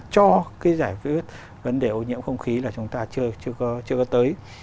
cho cái giải quyết vấn đề ô nhiễm không khí là chúng ta chưa có tới